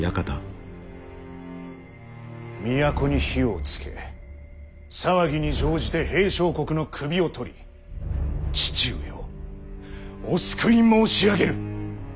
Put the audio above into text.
都に火をつけ騒ぎに乗じて平相国の首を取り父上をお救い申し上げる。